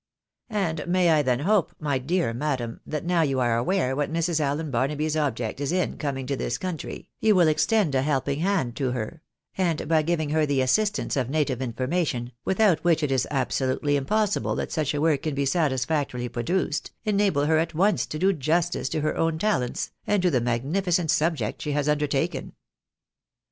And may I then hope, my dear madam, that now you are aware what Mrs. Allen Barnaby's object is in coming to this country, j'ou will extend a helping hand to her, and by giving her the assistance of native information (without which it is absolutely impossible that such a work can be satisfactorily produced) enable her at obck, m do justice to her own talents, and to the magnificent subject she has undertaken."